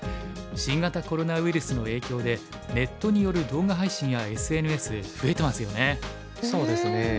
新型コロナウイルスの影響でネットによる動画配信やＳＮＳ増えてますよね。